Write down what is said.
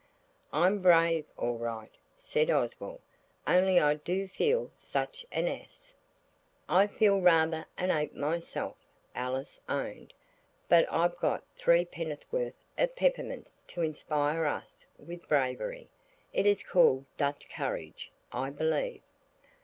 "I'm brave all right," said Oswald, "only I do feel such an ass." "I feel rather an ape myself," Alice owned, "but I've got three penn'orth of peppermints to inspire us with bravery. It is called Dutch courage, I believe."